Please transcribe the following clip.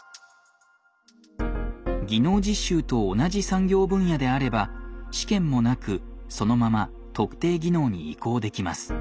技能実習と同じ産業分野であれば試験もなくそのまま特定技能に移行できます。